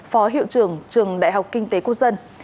phó hiệu trưởng trường đại học kinh tế quốc dân